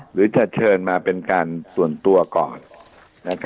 หรือจะเชิญมาเป็นการส่วนตัวก่อน